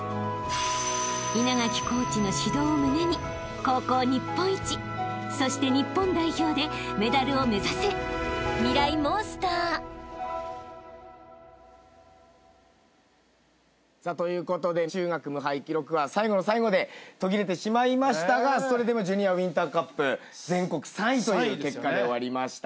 ［稲垣コーチの指導を胸に高校日本一そして日本代表でメダルを目指せ！］ということで中学無敗記録は最後の最後で途切れてしまいましたがそれでもＪｒ．ウインターカップ全国３位という結果で終わりました。